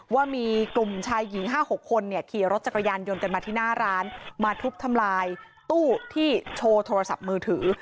ว่ามีกลุ่มชายหญิง๕๖คนเนี่ยขี่รถจักรยานยนต์กันมาที่หน้าร้านมาทุบทำลายตู้ที่โชว์โทรศัพท์มือถือ